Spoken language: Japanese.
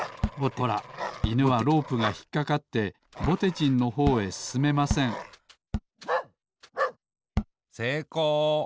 ほらいぬはロープがひっかかってぼてじんのほうへすすめませんせいこう。